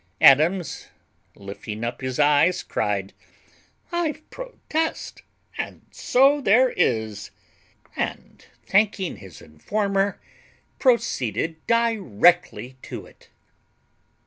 Adams, lifting up his eyes, cried, "I protest, and so there is;" and, thanking his informer, proceeded directly to it.